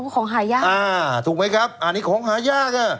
ของหายากอ่าถูกไหมครับอันนี้ของหายากอ่ะ